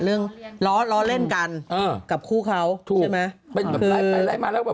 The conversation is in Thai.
เรื่องล้อเล่นกันกับคู่เขาใช่ไหม